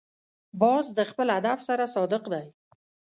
باز د خپل هدف سره صادق دی